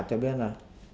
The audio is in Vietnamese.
tôi biết là